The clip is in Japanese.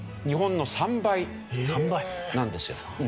日本の３倍なんですよ。